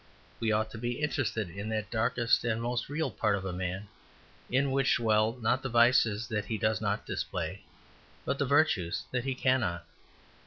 We ought to be interested in that darkest and most real part of a man in which dwell not the vices that he does not display, but the virtues that he cannot.